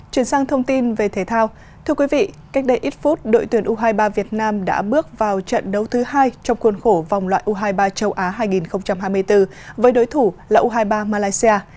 chuyển sang thông tin về thể thao thưa quý vị cách đây ít phút đội tuyển u hai mươi ba việt nam đã bước vào trận đấu thứ hai trong khuôn khổ vòng loại u hai mươi ba châu á hai nghìn hai mươi bốn với đối thủ là u hai mươi ba malaysia